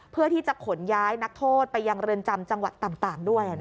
เพื่อที่จะขนย้ายนักโทษไปยังเรือนจำจังหวัดต่างด้วย